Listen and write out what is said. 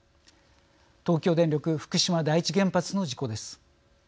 東京電力福島第一原発の事故です。